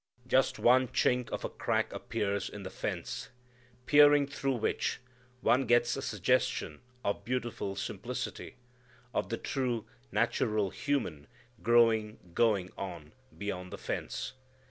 Just one chink of a crack appears in the fence, peering through which, one gets a suggestion of beautiful simplicity, of the true, natural human growing going on beyond the fence.